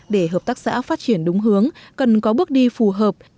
để hợp tác xã phát triển đúng hướng cần có bước đi phù hợp